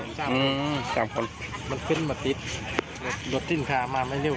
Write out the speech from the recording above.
อืม๓คนมันขึ้นมาติดรถทิ้งค้ามาไม่เร็ว